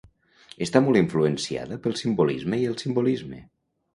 Està molt influenciada pel simbolisme i el simbolisme.